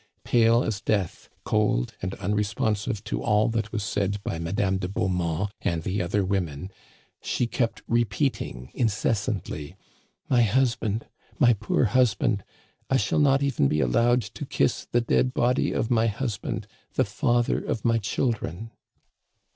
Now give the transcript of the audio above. Pale as death, cold, and unre sponsive to all that was said by Madame de Beaumont and the other women, she kept repeating incessantly :" My husband ! my poor husband ! I shall not even be allowed to kiss the dead body of my husband, the father of my children